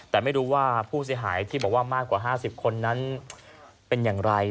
แต่ไม่รู้ว่าผู้เสียหายที่บอกว่ามากกว่า๕๐คนนั้นเป็นอย่างไร